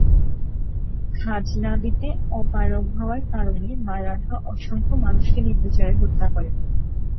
খাজনা দিতে অপারগ হওয়ার কারণে মারাঠা অসংখ্য মানুষকে নির্বিচারে হত্যা করে।